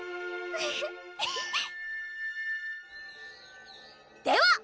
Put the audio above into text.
フフフでは！